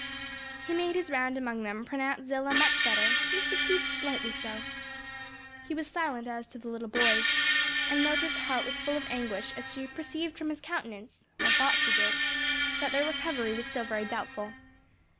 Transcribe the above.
He made his round among them, pronounced Zillah much better, Mr. Keith slightly so. He was silent as to the little boys, and Mildred's heart was full of anguish as she perceived from his countenance, or thought she did, that their recovery was still very doubtful.